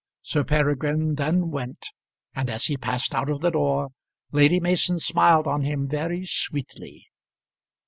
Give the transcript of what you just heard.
Sir Peregrine then went, and as he passed out of the door Lady Mason smiled on him very sweetly.